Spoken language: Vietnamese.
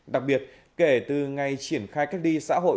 đặc biệt kể từ ngày triển khai cách ly xã hội